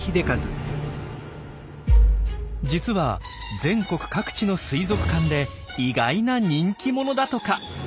実は全国各地の水族館で意外な人気者だとか。